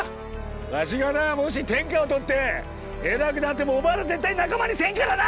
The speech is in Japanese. わしがなもし天下をとって偉くなってもお前ら絶対仲間にせんからな！